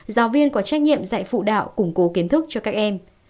giáo viên có trách nhiệm dạy phụ đạo củng cố kiến thức cho các em